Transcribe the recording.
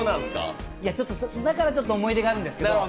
だからちょっと思い出があるんですけど。